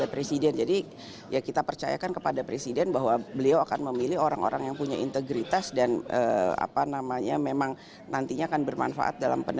presiden masih mikir mikir kok kita udah mikirnya kepanjangan